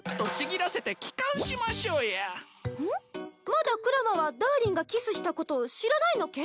まだクラマはダーリンがキスしたこと知らないのけ？